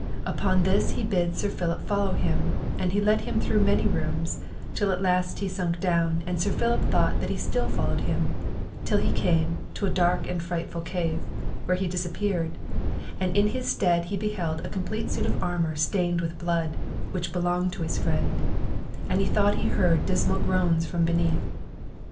Upon this he bid Sir Philip follow him; he led him through many rooms, till at last he sunk down, and Sir Philip thought he still followed him, till he came into a dark and frightful cave, where he disappeared, and in his stead he beheld a complete suit of armour stained with blood, which belonged to his friend, and he thought he heard dismal groans from beneath.